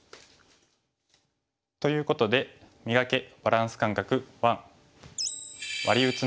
ということで「磨け！バランス感覚１」。